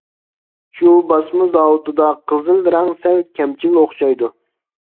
شۇ باسما زاۋۇتىدا قىزىل رەڭ سەل كەمچىل ئوخشايدۇ.